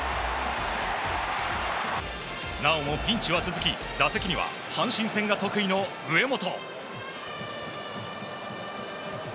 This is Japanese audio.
なおもピンチは続き打席には阪神戦が得意の上本。